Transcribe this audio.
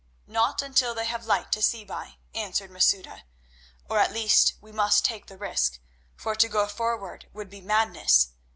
"Not until they have light to see by," answered Masouda, "or at least we must take the risk, for to go forward would be madness.